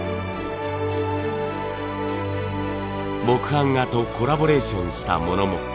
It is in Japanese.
木版画とコラボレーションしたものも。